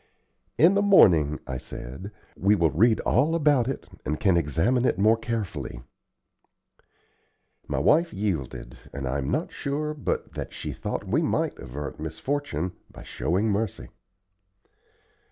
"In the morning," I said, "we will read all about it, and can examine it more carefully." My wife yielded, and I am not sure but that she thought we might avert misfortune by showing mercy.